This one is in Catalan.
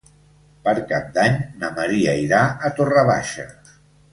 Per Cap d'Any na Maria irà a Torre Baixa.